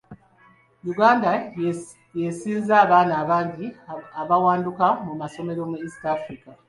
Uganda yeesinza abaana abangi abawanduka mu masomero mu East Africa